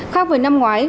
khác với năm ngoái